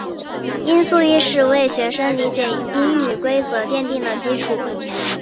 音素意识为学生理解英语规则奠定了基础。